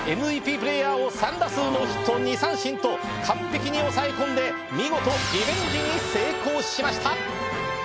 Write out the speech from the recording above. ＭＶＰプレーヤーを３打数ノーヒット２三振と完璧に抑え込んで見事リベンジに成功しました。